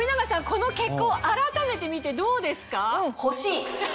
この結果を改めて見てどうですか？